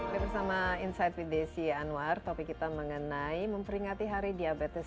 bersama insight with desi anwar topik kita mengenai memperingati hari diabetes